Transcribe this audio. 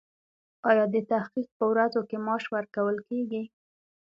ایا د تحقیق په ورځو کې معاش ورکول کیږي؟